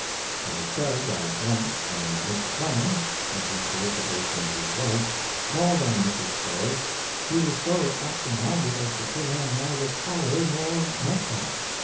It is said that once when Mr. Clemens, at the solicita tion of his wife, called on Mrs. Stowe, he was so absent minded as to put on neither collar nor necktie.